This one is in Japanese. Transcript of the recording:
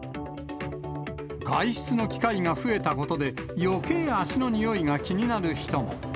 外出の機会が増えたことで、よけい足のにおいが気になる人も。